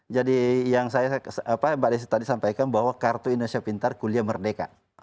jadi yang pak desi tadi sampaikan bahwa kartu indonesia pintar kuliah merdeka